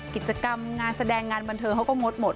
กิจกรรมงานแสดงงานบันเทิงเขาก็งดหมด